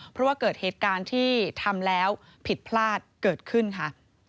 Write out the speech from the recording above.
เพราะว่าเกิดเหตุการณ์ที่ทำแล้วผิดพลาดเกิดขึ้นค่ะ